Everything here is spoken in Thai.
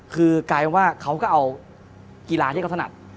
คือกลายเป็นว่าเขาก็เอากีฬาที่เขาถนัด